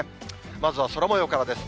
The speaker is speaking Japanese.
まずは空もようからです。